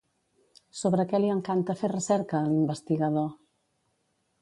Sobre què li encanta fer recerca a l'investigador?